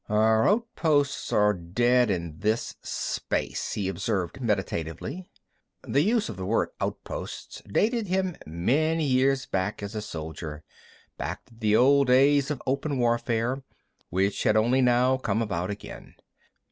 "Our outposts are dead in this space," he observed meditatively. The use of the word "outposts" dated him many years back as a soldier, back to the old days of open warfare, which had only now come about again.